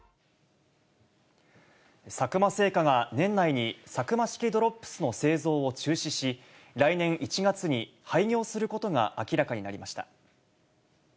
佐久間製菓が年内にサクマ式ドロップスの製造を中止し、来年１月に廃業することが明らかになりました。